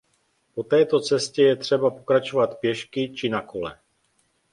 Po této cestě je třeba pokračovat pěšky či na kole.